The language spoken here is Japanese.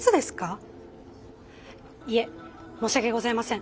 いえ申し訳ございません。